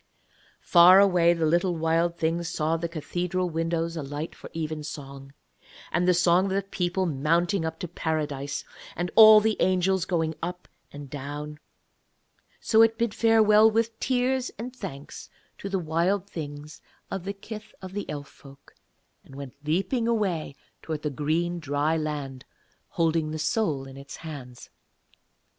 Far away the little Wild Thing saw the cathedral windows alight for evensong, and the song of the people mounting up to Paradise, and all the angels going up and down. So it bid farewell with tears and thanks to the Wild Things of the kith of Elf folk, and went leaping away towards the green dry land, holding the soul in its hands.